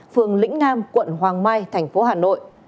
phường lĩnh nam quận hoàng mai thành phố hà nội